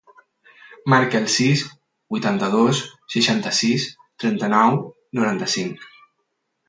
Marca el sis, vuitanta-dos, seixanta-sis, trenta-nou, noranta-cinc.